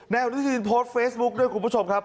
อนุทินโพสต์เฟซบุ๊คด้วยคุณผู้ชมครับ